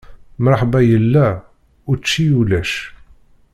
Mṛeḥba yella, učči ulac.